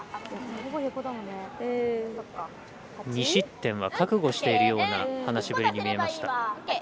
２失点は覚悟しているような話しぶりに見えました。